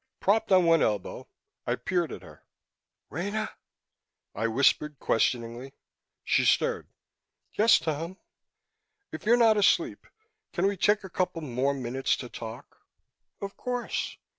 Propped on one elbow, I peered at her. "Rena?" I whispered questioningly. She stirred. "Yes, Tom?" "If you're not asleep, can we take a couple more minutes to talk?" "Of course."